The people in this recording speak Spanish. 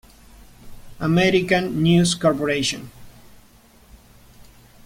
American News Co.